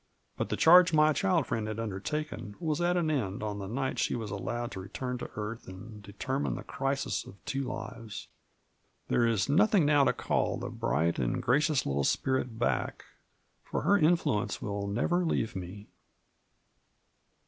But the charge my child friend had undertaken was at an end on the night she was allowed to return to earth and determine the crisis of two lives ; there is nothing now to call the bright and gracious little spirit back, for her influence will never leave me.